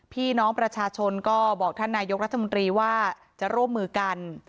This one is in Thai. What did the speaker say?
พี่น้องประชาชนก็บอกท่านนายกรัฐมนตรีว่าจะร่วมมือกัน